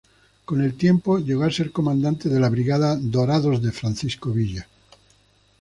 Con el tiempo llegó a ser comandante de la Brigada "Dorados de Francisco Villa".